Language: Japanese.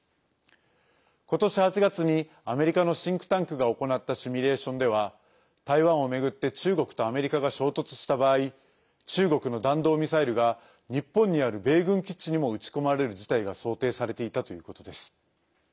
今年８月にアメリカのシンクタンクが行ったシミュレーションでは台湾を巡って中国とアメリカが衝突した場合中国の弾道ミサイルが日本にある米軍基地にも撃ち込まれる事態が想定されていたということです。